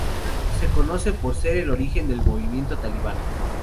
Se conoce por ser el origen del movimiento talibán.